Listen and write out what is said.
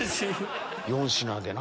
４品でな。